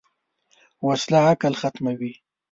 وسله عقل ختموي